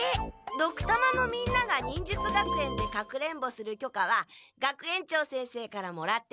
ドクたまのみんなが忍術学園でかくれんぼするきょかは学園長先生からもらってる。